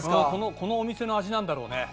このお店の味なんだろうね。